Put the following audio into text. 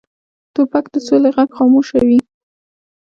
توپک د سولې غږ خاموشوي.